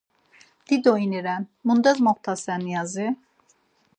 Dido ini ren, mundes moxtasen yazi?